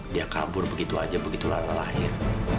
dia kabur begitu aja begitu lahir